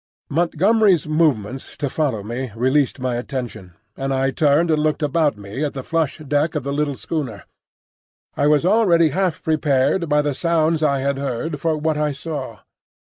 Montgomery's movement to follow me released my attention, and I turned and looked about me at the flush deck of the little schooner. I was already half prepared by the sounds I had heard for what I saw.